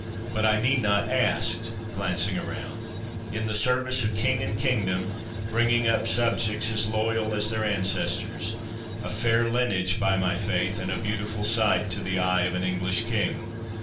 But I need not ask," glancing around—"in the service of King and Kingdom, bringing up subjects, as loyal as their ancestors.—A fair lineage, by my faith, and a beautiful sight, to the eye of an English King!